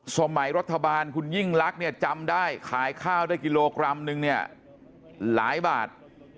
สมัยรัฐบาลคุณยิ่งลักษณ์เนี่ยจำได้ขายข้าวได้กิโลกรัมนึงเนี่ยหลายบาท